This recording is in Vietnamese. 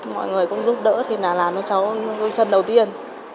mọi người cũng giúp đỡ thì là làm cho cháu đôi chân đầu tiên